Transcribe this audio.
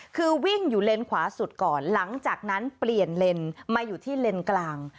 คือวิ่งอยู่เลนขวาสุดก่อนหลังจากนั้นเปลี่ยนเลนมาอยู่ที่เลนกลาง